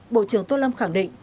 bộ trưởng tôn lâm khẳng định